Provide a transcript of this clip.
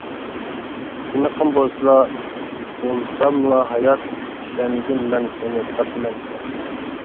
تىنىقىم بولسىلا، بولساملا ھايات، ئىشەنگىن مەن سېنى تاپىمەن ھامان.